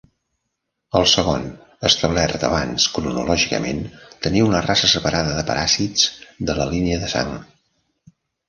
El segon, establert abans cronològicament, tenia una raça separada de paràsits de la línia de sang.